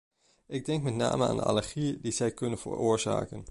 Ik denk met name aan de allergieën die zij kunnen veroorzaken.